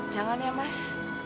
jangan ya mas